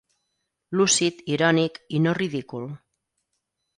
Lúcid, irònic, i no ridicul.